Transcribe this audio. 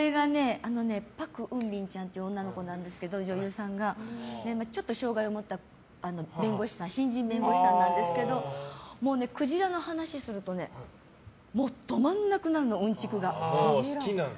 パク・ウンビンちゃんっていう女の子なんですけど、女優さんがちょっと障害を持った新人弁護士さんなんですけどクジラの話をするとねうんちくが止まらなくなるの。